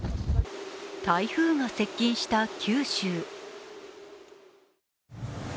台風が接近した九州。